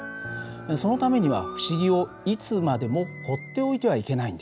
そのためには不思議をいつまでもほっておいてはいけないんです。